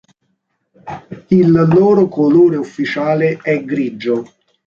Il loro colore ufficiale è grigio.